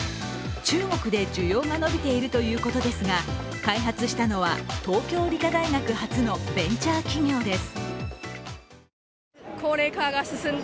中国で需要が伸びているということですが、開発したのは東京理科大学発のベンチャー企業です。